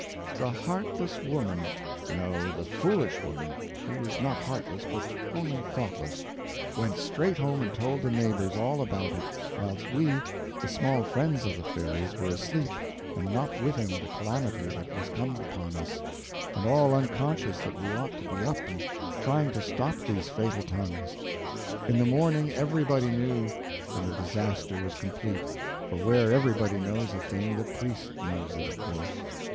The heartless woman—no, the foolish woman; she was not heartless, but only thoughtless—went straight home and told the neighbors all about it, whilst we, the small friends of the fairies, were asleep and not witting the calamity that was come upon us, and all unconscious that we ought to be up and trying to stop these fatal tongues. In the morning everybody knew, and the disaster was complete, for where everybody knows a thing the priest knows it, of course.